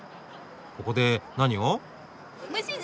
ここで何を？